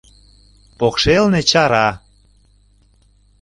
Покшелне чара.